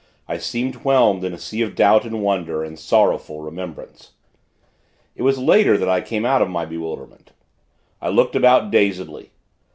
I seemed whelmed in a sea of doubt and wonder and sorrowful remembrance. It was later, that I came out of my bewilderment. I looked about, dazedly.